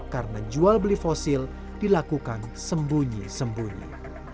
karena jual beli fosil dilakukan sembunyi sembunyi